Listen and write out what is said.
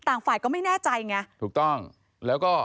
ต่างฝ่ายก็ไม่แน่ใจไง